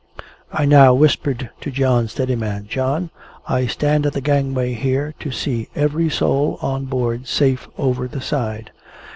I now whispered to John Steadiman, "John, I stand at the gangway here, to see every soul on board safe over the side.